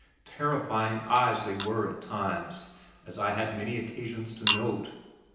Terrifying eyes they were, at times, as I had many occasions to note.